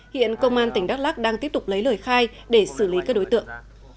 hiện công an tỉnh đắk lắc đang tiếp tục lấy lời khai để xử lý các đối tượng